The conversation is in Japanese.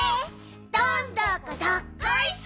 どんどこどっこいしょ！